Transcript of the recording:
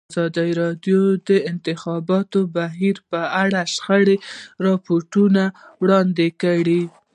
ازادي راډیو د د انتخاباتو بهیر په اړه د شخړو راپورونه وړاندې کړي.